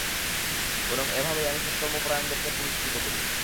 এবং এভাবেই আমি সৎকর্ম পরায়ণদেরকে পুরস্কৃত করি।